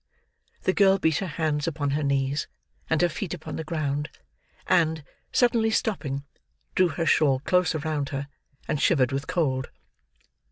The girl beat her hands upon her knees, and her feet upon the ground; and, suddenly stopping, drew her shawl close round her: and shivered with cold.